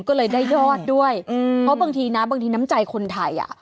ก็เลยได้ยอดด้วยเพราะบางทีนะน้ำใจคนไทย